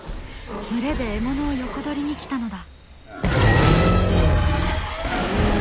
群れで獲物を横取りに来たのだ。